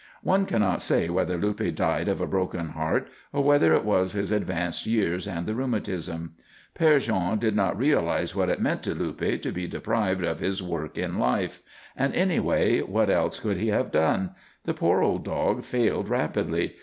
One cannot say whether Luppe died of a broken heart or whether it was his advancing years and the rheumatism. Père Jean did not realize what it meant to Luppe to be deprived of his work in life; and, anyway, what else could he have done? The poor old dog failed rapidly.